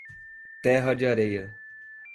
Terra de Areia